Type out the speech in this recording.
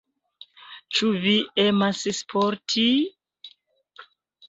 Ĉu vi emas sporti?